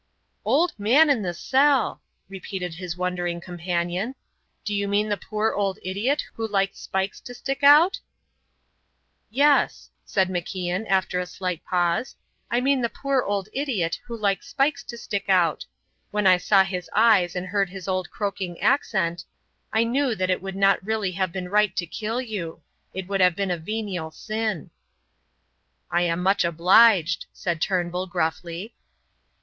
"Old man in the cell!" repeated his wondering companion. "Do you mean the poor old idiot who likes spikes to stick out?" "Yes," said MacIan, after a slight pause, "I mean the poor old idiot who likes spikes to stick out. When I saw his eyes and heard his old croaking accent, I knew that it would not really have been right to kill you. It would have been a venial sin." "I am much obliged," said Turnbull, gruffly.